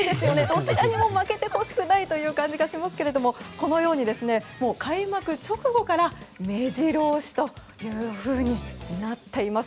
どちらにも負けてほしくない感じがしますがこのように開幕直後から目白押しとなっています。